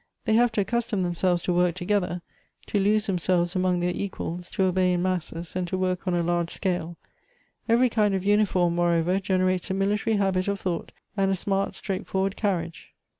They have to accustom them selves to work togetlier; to lose themselves among their equals ; to obey in masses, and to work on a large scale. Every kind of uniform, moreover, genei ates a military habit of thought, and a smart, straightforwai'd carriage.